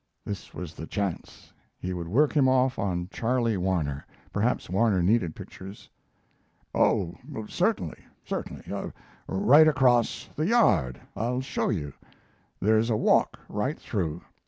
This was the chance! He would work him off on Charlie Warner. Perhaps Warner needed pictures. "Oh, certainly, certainly! Right across the yard. I'll show you. There's a walk right through.